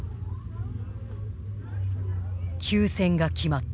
休戦が決まった。